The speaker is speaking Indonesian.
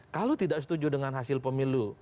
kalau tidak setuju dengan hasil pemilu